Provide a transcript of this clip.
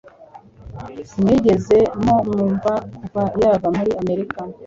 Sinigeze mumwumva kuva yava muri Amerika